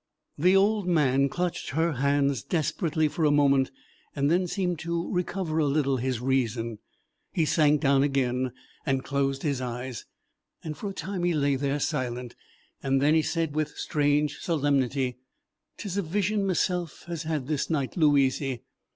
The old man clutched her hands desperately for a moment, and then seemed to recover a little his reason. He sank down again and closed his eyes. For a time he lay there silent. Then he said with strange solemnity: "'T is a vision meself has had this night, Louizy."